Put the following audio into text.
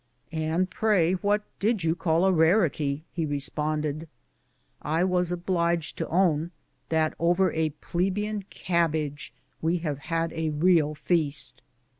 " And, pray, what did you call a rarity?" he responded. I was obliged to own that over a plebeian cabbage w^e have had a real feast.